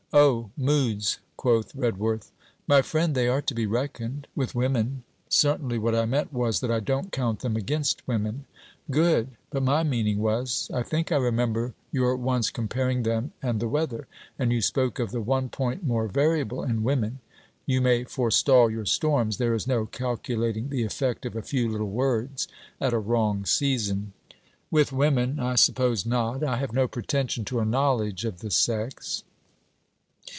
'Oh! moods!' quoth Redworth. 'My friend, they are to be reckoned, with women.' 'Certainly; what I meant was, that I don't count them against women.' 'Good: but my meaning was... I think I remember your once comparing them and the weather; and you spoke of the "one point more variable in women." You may forestall your storms. There is no calculating the effect of a few little words at a wrong season.' 'With women! I suppose not. I have no pretension to a knowledge of the sex.'